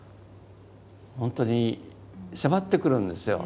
本当に迫ってくるんですよ。